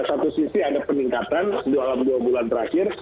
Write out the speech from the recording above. satu sisi ada peningkatan dalam dua bulan terakhir